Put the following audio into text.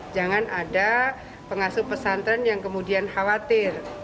jangan ada pengasuh pesantren yang kemudian khawatir